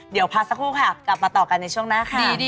เดี๋ยวพักสักครู่ค่ะกลับมาต่อกันในช่วงหน้าค่ะ